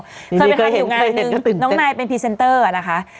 เคยเห็นเคยเห็นก็ตื่นเต้นน้องนายเป็นพีเซนเตอร์นะคะ